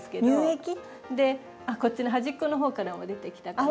こっちの端っこの方からも出てきたかな。